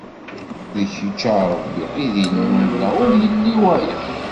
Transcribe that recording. D kečč, a Rebbi, i d Illu-nneɣ, ur yelli wayeḍ.